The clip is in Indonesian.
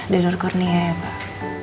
dulu kurni ya pak